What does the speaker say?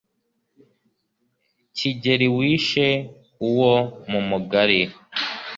kigeli wishe uwo mu mugari